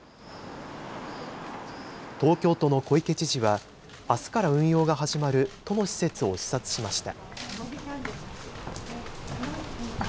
東京都の小池知事は、あすから運用が始まる都の施設を視察しました。